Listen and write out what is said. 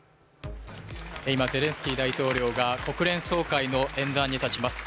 今、ゼレンスキー大統領が国連総会の演台に立ちます。